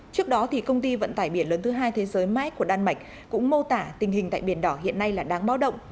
trước đó công ty vận tải biển lớn thứ hai thế giới mike của đan mạch cũng mô tả tình hình tại biển đỏ hiện nay là đáng báo động